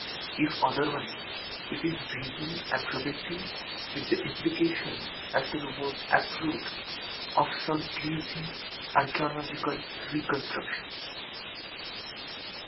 If otherwise, it is vaguely approbative, with the implication, as to the work approved, of some pleasing archæological reconstruction.